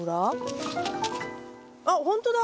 あっほんとだ。